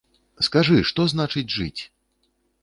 Скажы, што значыць жыць?